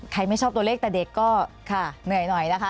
ไม่ชอบตัวเลขแต่เด็กก็ค่ะเหนื่อยหน่อยนะคะ